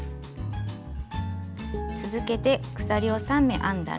続けて鎖を３目編んだら。